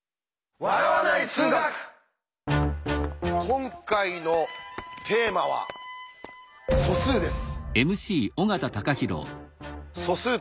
今回のテーマは「素数」です。